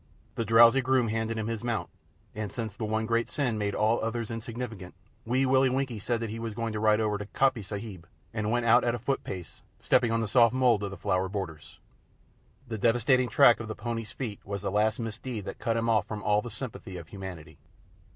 The drowsy groom handed him his mount, and, since the one great sin made all others insignificant, Wee Willie Winkie said that he was going to ride over to Coppy Sahib, and went out at a foot pace, stepping on the soft mould of the flower borders. The devastating track of the pony's feet was the last misdeed that cut him off from all sympathy of Humanity.